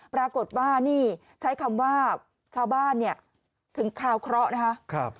ปรากฏว่าใช้คำว่าชาวบ้านถึงคาวเคราะห์นะครับ